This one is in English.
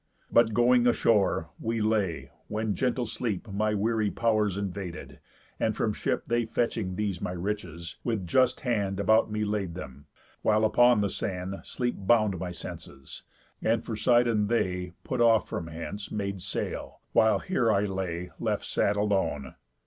But, going ashore, we lay; when gentle sleep My weary pow'rs invaded, and from ship They fetching these my riches, with just hand About me laid them, while upon the sand Sleep bound my senses; and for Sidon they (Put off from hence) made sail, while here I lay, Left sad alone."